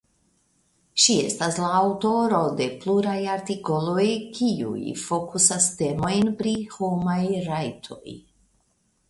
Ŝi estas la aŭtoro de pluraj artikoloj kiuj fokusas temojn pri homaj rajtoj.